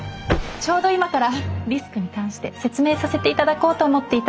ちょうど今からリスクに関して説明させていただこうと思っていたんです。